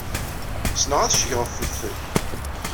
Ssneɣ ad ccgeɣ ɣef wedfel.